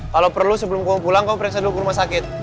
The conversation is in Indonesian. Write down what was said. kalau perlu sebelum kau pulang kau periksa dulu ke rumah sakit